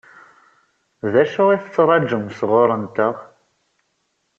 D acu i la tettṛaǧum sɣur-nteɣ?